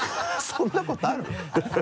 そんなことある？